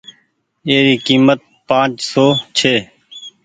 اي ري ڪيمت پآنچ سون ڇي۔